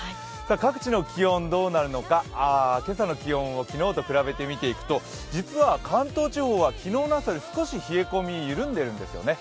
各地の気温、どうなるのか、今朝の気温を昨日と比べてみていくと実は関東地方は昨日の朝より少し冷え込みが緩んでいるんですよね。